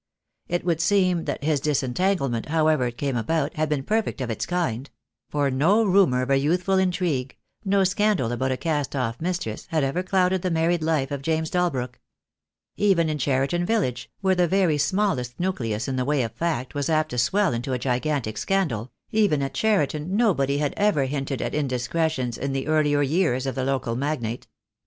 It would seem that his disentanglement, however it came about, had been perfect of its kind; for no rumour of a youthful intrigue, no scandal about a cast off mistress had ever clouded the married life of James Dalbrook. Even in Cheriton village, where the very smallest nucleus in the way of fact was apt to swell into a gigantic scandal, even at Cheriton nobody had ever hinted at indiscretions in the earlier years of the local magnate.